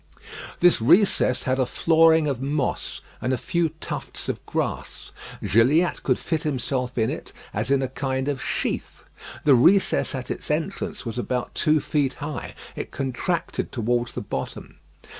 This recess had a flooring of moss and a few tufts of grass. Gilliatt could fit himself in it as in a kind of sheath. The recess at its entrance was about two feet high. It contracted towards the bottom.